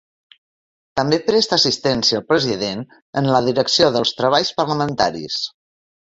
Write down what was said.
També presta assistència al President en la direcció dels treballs parlamentaris.